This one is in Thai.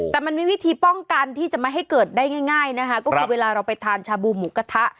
แต่มันมีวิธีป้องกันที่จะไม่ให้เกิดได้ง่ายนะคะก็คือเวลาเราไปทานชาบูหมูกระทะ